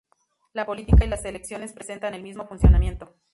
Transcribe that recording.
La política y las elecciones presentan el mismo funcionamiento.